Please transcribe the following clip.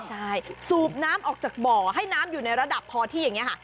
ใช่สูบน้ำออกจากบ่อให้น้ำอยู่ในระดับพอที่อย่างนี้ค่ะ